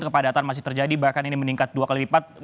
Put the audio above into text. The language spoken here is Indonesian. kepadatan masih terjadi bahkan ini meningkat dua kali lipat